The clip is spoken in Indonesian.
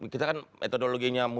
kita kan metodologinya